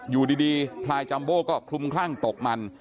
อยู่ดีพลายจัมโบ้ก็คลุมคลั่งตกมัน